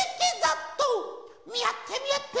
みあってみあって！